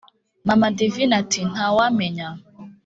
mama divine ati: ntawamenya!